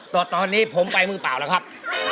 แต่ตอนนี้ผมไปมือเปล่าแล้วครับ